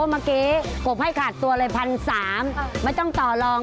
เหมือนคนเป็นพ่อแบบพี่ตกไหนครับ